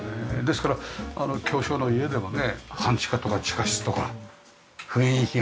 ですから狭小の家でもね半地下とか地下室とか雰囲気がありますよね。